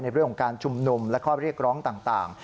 เรื่องของการชุมนุมและข้อเรียกร้องต่าง